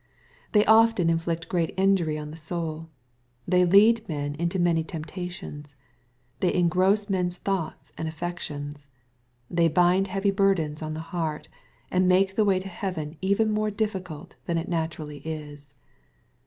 They often inflict great injury on the soul. They lead men into many temptations. They engross men's thoughts and affections. They bind heavy burdens on the heart, and make the way to heaven even more difficult than it naturally is.